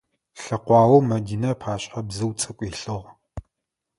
Лъэкъуаоу Мэдинэ ыпашъхьэ бзыу цӏыкӏу илъыгъ.